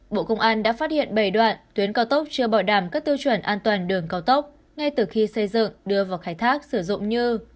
bộ công an đã phát hiện bảy đoạn tuyến cao tốc chưa bảo đảm các tiêu chuẩn an toàn đường cao tốc ngay từ khi xây dựng đưa vào khai thác sử dụng như